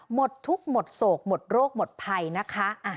หมดทุกข์หมดโศกหมดโรคหมดภัยนะคะ